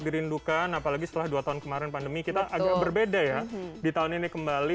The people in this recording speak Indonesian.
dirindukan apalagi setelah dua tahun kemarin pandemi kita agak berbeda ya di tahun ini kembali